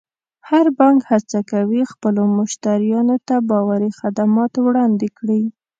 هر بانک هڅه کوي خپلو مشتریانو ته باوري خدمات وړاندې کړي.